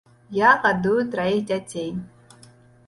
Я гадую траіх дзяцей.